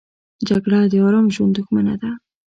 جګړه د آرام ژوند دښمنه ده